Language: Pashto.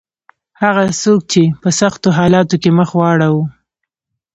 هغه څوک چې په سختو حالاتو کې مخ واړاوه.